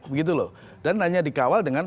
begitu loh dan hanya dikawal dengan